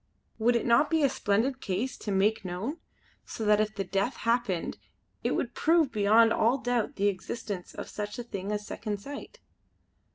Would it not be a splendid case to make known; so that if the death happened it would prove beyond all doubt the existence of such a thing as Second Sight."